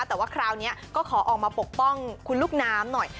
แต่ว่าคราวนี้ก็ขอออกมาปกป้องคุณลูกน้ำหน่อย